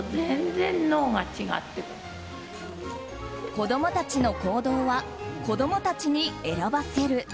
子供たちの行動は子供たちに選ばせる。